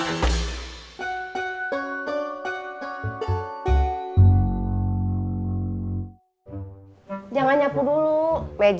agar peranggunya cium big